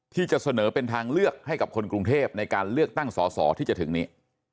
ที่จะเสนอเป็นทางเลือกให้กับคนกรุงเทพในการเลือกตั้งสอสอที่จะถึงนี้